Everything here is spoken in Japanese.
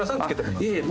いえいえ！